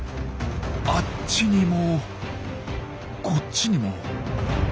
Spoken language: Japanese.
あっちにもこっちにも。